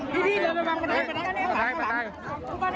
กะติคก็บอกว่าพี่เต้อย่าตีหัวหนูเดี๋ยวเป็นพาก